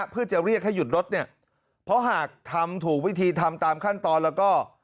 เพื่อจะเรียกให้หยุดรถเนี่ยเพราะหากทำถูกวิธีทำตามขั้นตอนแล้วก็